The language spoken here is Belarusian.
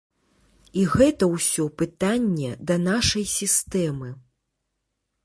І гэта ўсё пытанне да нашай сістэмы.